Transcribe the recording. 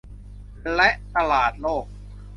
และตลาดโลก